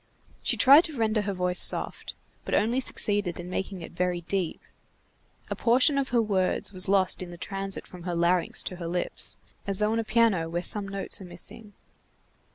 She tried to render her voice soft, but only succeeded in making it very deep. A portion of her words was lost in the transit from her larynx to her lips, as though on a piano where some notes are missing.